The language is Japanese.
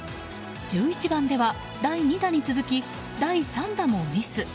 １１番では第２打に続き、第３打もミス。